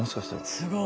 すごい。